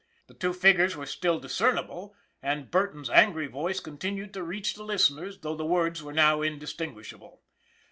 The two figures were still discernible, and Burton's angry voice continued to reach the listeners, though the words were now indistinguishable.